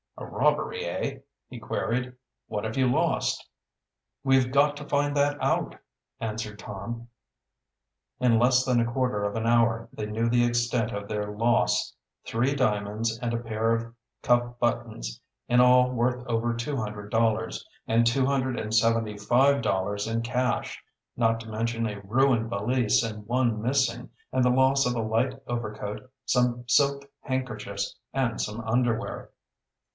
"A robbery, eh?" he queried. "What have you lost?" "We've got to find that out," answered Tom. In less than a quarter of an hour they knew the extent of their loss three diamonds and a pair of cuff buttons, in all worth over two hundred dollars, and two hundred and seventy five dollars in cash not to mention a ruined valise and one missing, and the loss of a light overcoat, some silk handkerchiefs and some underwear.